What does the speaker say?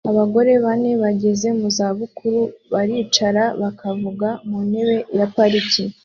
Abagore bane bageze mu zabukuru baricara bakavuga ku ntebe ya parike